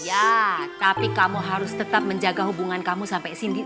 iya tapi kamu harus tetap menjaga hubungan kamu sama papi